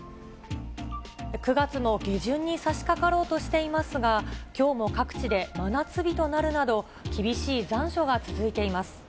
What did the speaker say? ９月も下旬にさしかかろうとしていますが、きょうも各地で真夏日となるなど、厳しい残暑が続いています。